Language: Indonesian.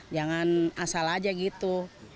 jangan asal aja gitu